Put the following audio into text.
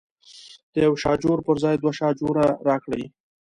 د یوه شاجور پر ځای دوه شاجوره راکړي.